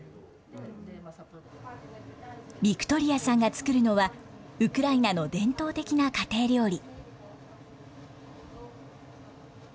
ヴィクトリアさんが作るのはウクライナの伝統的な家庭料理。